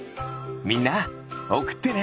みんなおくってね！